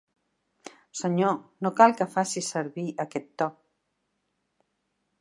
Senyor, no cal que faci servir aquest to.